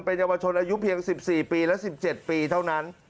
เยาวชนอายุเพียง๑๔ปีและ๑๗ปีเท่านั้น